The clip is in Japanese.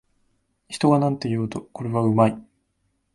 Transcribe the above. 人がなんと言おうと、これはうまい